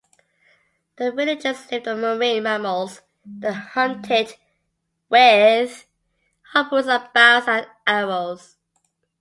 The villagers lived on marine mammals they hunted with harpoons and bows and arrows.